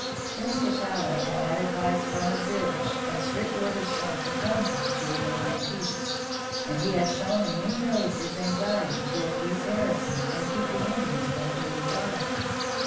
Tenskwatawa had had advice from the British, and strict orders from Tecumseh to remain at peace, and he had shown in many ways his anxiety to appease Harrison and keep the Indians from doing violence.